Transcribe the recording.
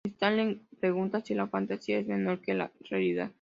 Stan le pregunta si la fantasía es mejor que la realidad.